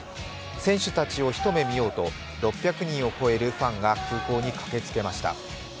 選手たちを一目見ようと６００人を超えるファンが空港に駆けつけました。